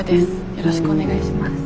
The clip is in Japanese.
よろしくお願いします。